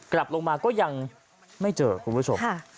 กลับลงมาก็ยังไม่เจอคุณผู้ชม